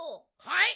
はい？